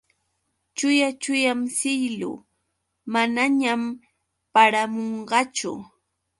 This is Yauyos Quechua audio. Chuya chuyam siylu. Manañam paramunqachu.